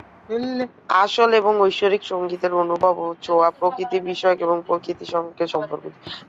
আসল এবং ঐশ্বরিক সংগীতের অনুভব ও ছোঁয়া প্রকৃতি বিষয়ক এবং প্রকৃতির সঙ্গে সম্পর্কযুক্ত।